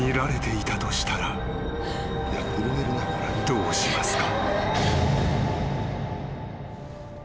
［どうしますか？］